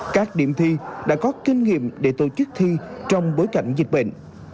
các điểm thi đã có kinh nghiệm để tổ chức thi trong bối cảnh dịch bệnh